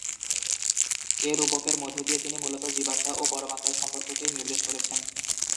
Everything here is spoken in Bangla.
এ রূপকের মধ্য দিয়ে তিনি মূলত জীবাত্মা ও পরমাত্মার সম্পর্ককেই নির্দেশ করেছেন।